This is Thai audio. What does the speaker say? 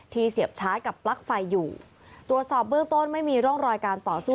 เสียบชาร์จกับปลั๊กไฟอยู่ตรวจสอบเบื้องต้นไม่มีร่องรอยการต่อสู้